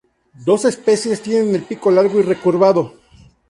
Dos especies tienen el pico largo y recurvado.